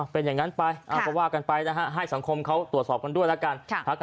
เป็นอย่างนั้นไปก็ว่ากันไปนะฮะให้สังคมเขาตรวจสอบกันด้วยแล้วกัน